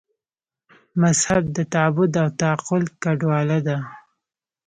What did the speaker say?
مذهب د تعبد او تعقل ګډوله ده.